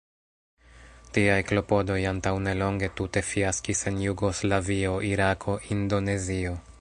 Tiaj klopodoj antaŭ nelonge tute fiaskis en Jugoslavio, Irako, Indonezio.